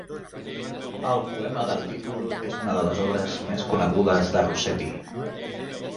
El poema del títol és una de les obres més conegudes de Rossetti.